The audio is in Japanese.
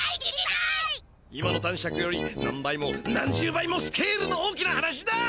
今の男爵より何倍も何十倍もスケールの大きな話だ。